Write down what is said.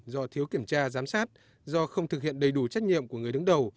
do thiếu kiểm tra giám sát do không thực hiện đầy đủ trách nhiệm của người đứng đầu